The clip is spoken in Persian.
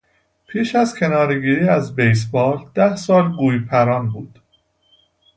پیش از کنارهگیری از بیسبال ده سال گوی پران بود.